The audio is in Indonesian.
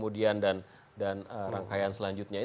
dan rangkaian selanjutnya